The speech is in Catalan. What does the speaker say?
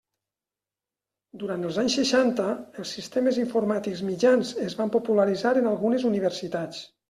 Durant els anys seixanta, els sistemes informàtics mitjans es van popularitzar en algunes universitats.